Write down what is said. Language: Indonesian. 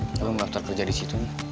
lo minta kerja di situ